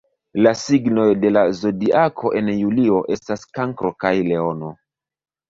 La signoj de la Zodiako en julio estas Kankro kaj Leono.